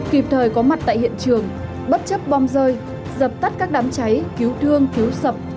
kịp thời có mặt tại hiện trường bất chấp bom rơi dập tắt các đám cháy cứu thương cứu sập